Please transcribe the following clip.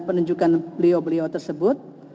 penunjukan beliau beliau tersebut